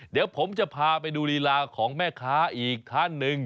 เดี๋ยวผมจะพาไปดูลีลาของแม่ค้าอีกท่านหนึ่ง